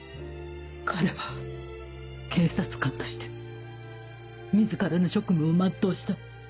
彼は警察官として自らの職務を全うした。